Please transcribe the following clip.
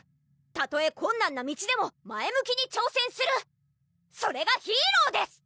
たとえ困難な道でも前向きに挑戦するそれがヒーローです！